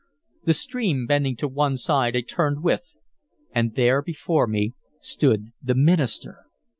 The stream bending to one side I turned with it, and there before me stood the minister!